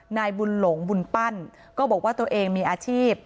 นายบุญหลงบุญปั้นก็บอกว่าตัวเองมีอาชีพ